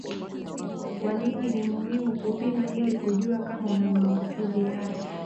Kwa nini ni muhimu kupima ili kujua kama una maambukizi haya